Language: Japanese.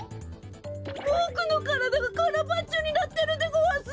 ボクのからだがカラバッチョになってるでごわす！